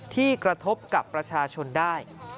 ที่กระทบกับประชาชนได้